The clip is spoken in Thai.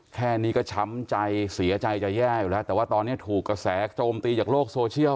แค่นี้ก็ช้ำใจเสียใจจะแย่อยู่แล้วแต่ว่าตอนนี้ถูกกระแสโจมตีจากโลกโซเชียล